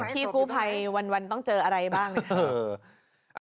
พี่กู้ภัยวันต้องเจออะไรบ้างนะครับ